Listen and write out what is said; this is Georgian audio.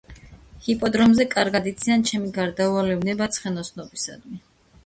ჰიპოდრომზე კარგად იციან ჩემი გარდაუვალი ვნება ცხენოსნობისადმი.